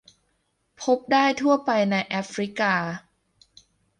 พบได้ทั่วไปในแอฟริกา